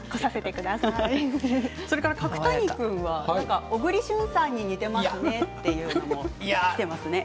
角谷君は小栗旬さんに似ていますねときています。